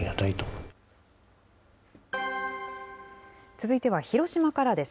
続いては、広島からです。